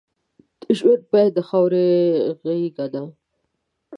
د ژوند پای د خاورې غېږه ده.